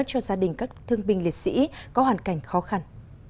cho gia đình các thương binh liệt sĩ có hoàn cảnh khó khăn